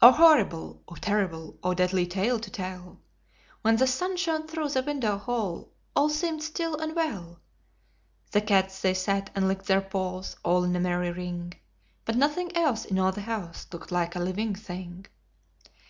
"Oh, horrible! Oh, terrible! Oh, deadly tale to tell! When the sun shone through the window hole all seemed still and well: The cats they sat and licked their paws all in a merry ring. But nothing else in all the house looked like a living thing.